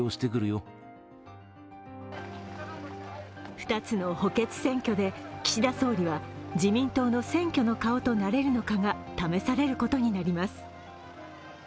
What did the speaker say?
２つの補欠選挙で岸田総理は自民党の選挙の顔となれるのかが試されることになります。